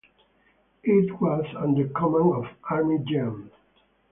It was under command of Army Gen.